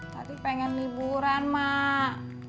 tadi pengen liburan mak